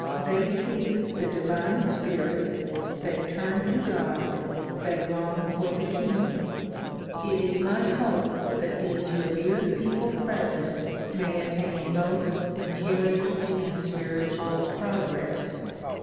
They seek the divine spirit, they turn to God, they long for the kingdom. It is my hope that these revered people present may attain both material and spiritual progress.